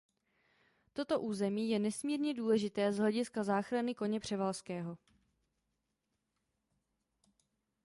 Toto území je nesmírně důležité z hlediska záchrany koně Převalského.